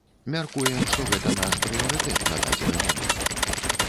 Мяркуем, што гэта наш прыярытэт на дадзены момант.